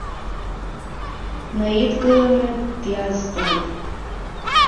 Днаидгыланы диазҵааит.